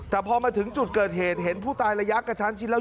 แต่พอมาถึงจุดเกิดเหตุเห็นผู้ตายระยะกระชั้นชิดแล้ว